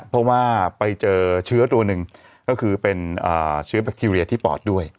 เพราะว่าไปเจอเชื้อตัวหนึ่งก็คือเป็นเชื้อแบคทีเรียที่ปอดด้วย